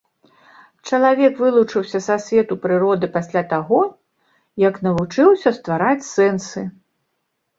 Чалавек вылучыўся са свету прыроды пасля таго, як навучыўся ствараць сэнсы.